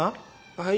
はい。